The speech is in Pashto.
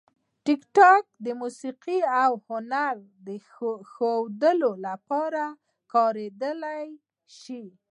ټیکټاک د موسیقي او هنر د ښودلو لپاره کارېدلی شي.